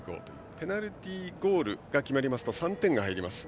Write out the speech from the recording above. ペナルティーゴールが決まりますと３点が入ります。